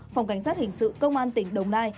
phòng cảnh sát hình sự công an tỉnh đồng nai